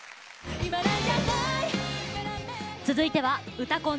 続いては「うたコン」